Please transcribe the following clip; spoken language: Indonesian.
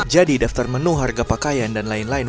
jadi daftar menu harga pakaian dan lain lain